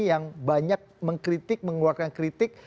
yang banyak mengkritik mengeluarkan kritik